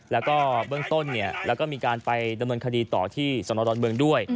แล้วก็เบื้องต้นแล้วก็มีการไปดำเนินคดีต่อที่สนดอนเมืองด้วย